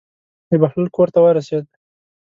د بهلول کور ته ورسېد.